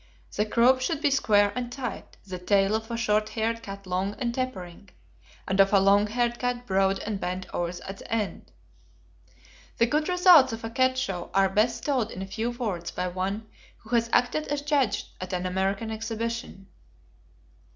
The croup should be square and high; the tail of a short haired cat long and tapering, and of a long haired cat broad and bent over at the end. The good results of a cat show are best told in a few words by one who has acted as judge at an American exhibition.